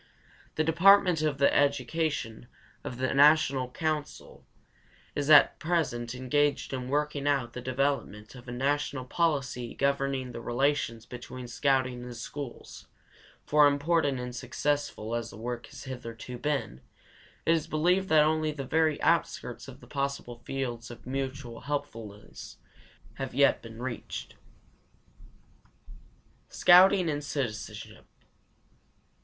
The department of education of the National Council is at present engaged in working out the development of a national policy governing the relations between scouting and the schools, for important and successful as the work has hitherto been, it is believed that only the very outskirts of the possible fields of mutual helpfulness have yet been reached. SCOUTING AND CITIZENSHIP.